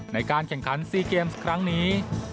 ในการแข่งขัน๔เกมส์ครั้งนี้